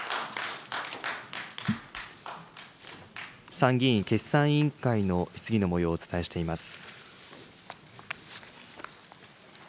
参議院決算委員会の質疑のもようをお伝えしています。